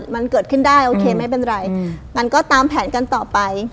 มันเกิดขึ้นได้โอเคไม่เป็นไรมันก็ตามแผนกันต่อไป